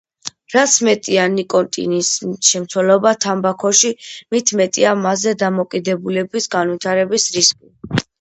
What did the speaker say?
რაც მეტია ნიკოტინის შემცველობა თამბაქოში, მით მეტია მასზე დამოკიდებულების განვითარების რისკი.